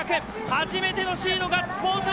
初めてのシード、ガッツポーズ！